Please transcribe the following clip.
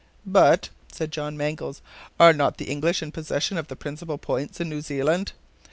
"But," said John Mangles, "are not the English in possession of the principal points in New Zealand?"